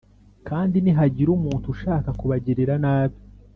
kandi nihagira umuntu ushaka kubagirira nabi,